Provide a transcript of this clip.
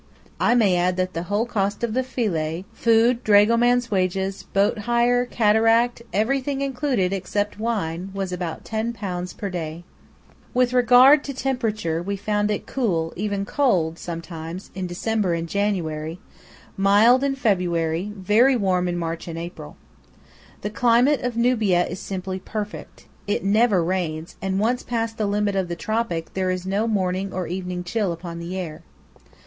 I may add that the whole cost of the Philæ – food, dragoman's wages, boat hire, cataract, everything included except wine – was about £10 per day. With regard to temperature, we found it cool – even cold, sometimes – in December and January; mild in February; very warm in March and April. The climate of Nubia is simply perfect. It never rains; and once past the limit of the tropic, there is no morning or evening chill upon the air.